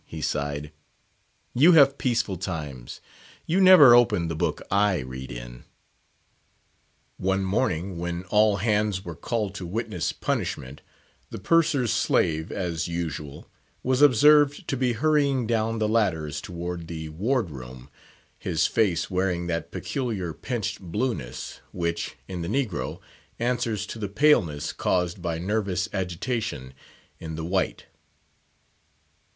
he sighed, "you have peaceful times; you never opened the book I read in." One morning, when all hands were called to witness punishment, the Purser's slave, as usual, was observed to be hurrying down the ladders toward the ward room, his face wearing that peculiar, pinched blueness, which, in the negro, answers to the paleness caused by nervous agitation in the white.